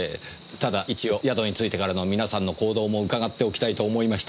ただ一応宿に着いてからの皆さんの行動も伺っておきたいと思いまして。